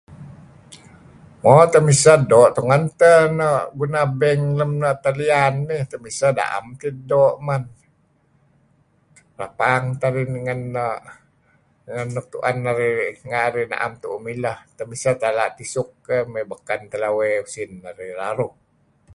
Mo, temiseh doo' tun teh no' guna bank lem na' talian nih , temiseh na'em tidih doo' man , rapang teh arih ngen nuk tu'en arih renga' arih 'am tu'uh mileh, seh sala' tisuk mey beken teh lawey neh neh usin arih raruh.